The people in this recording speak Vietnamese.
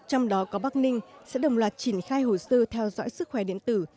trong đó có bắc ninh sẽ đồng loạt triển khai hồ sơ theo dõi sức khỏe điện tử